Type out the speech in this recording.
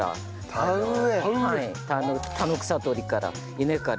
田の草取りから稲刈り。